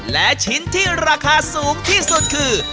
และชิ้นที่ราคาสูงที่สุดคือ